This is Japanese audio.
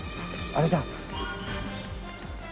あれだ。